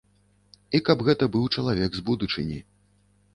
І каб гэта быў чалавек з будучыні.